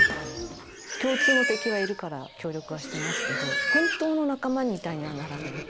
共通の敵はいるから協力はしてますけど本当の仲間みたいにはならない。